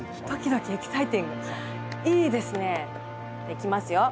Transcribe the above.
いきますよ。